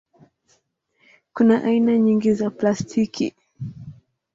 Kuna aina nyingi za plastiki.